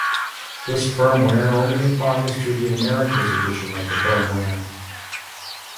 This firmware only applies to the America's edition of the firmware.